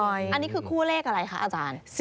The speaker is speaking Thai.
อันนี้คือคู่เลขอะไรคะอาจารย์